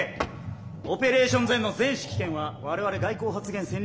オペレーションＺＥＮの全指揮権は我々外交発言戦略